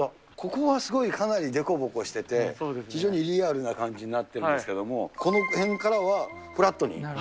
ここはすごいかなりでこぼこしてて、非常にリアルな感じになっているんですけど、この辺からはフラットに。